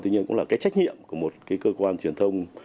tuy nhiên cũng là cái trách nhiệm của một cái cơ quan truyền thông